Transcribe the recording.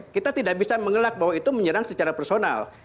kita tidak bisa mengelak bahwa itu menyerang secara personal